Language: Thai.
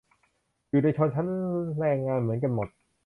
อยู่ในชนชั้นแรงงานเหมือนกันหมด